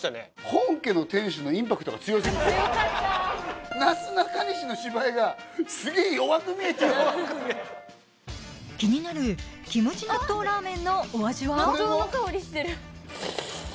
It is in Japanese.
本家の店主のインパクトが強すぎて強かったなすなかにしの芝居がすげえ弱く見えちゃう気になるキムチ納豆ラーメンのお味は？